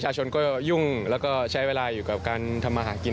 ชนก็ยุ่งแล้วก็ใช้เวลาอยู่กับการทำมาหากิน